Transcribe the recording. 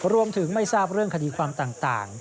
ไม่ทราบเรื่องคดีความต่าง